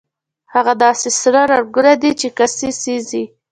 هغه داسې سره رنګونه دي چې کسي سېزي.